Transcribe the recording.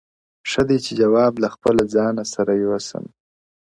ښه دی چي جواب له خپله ځانه سره یو سمه!!